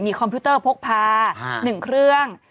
คอมพิวเตอร์พกพา๑เครื่อง